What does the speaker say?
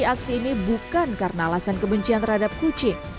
aksi ini bukan karena alasan kebencian terhadap kucing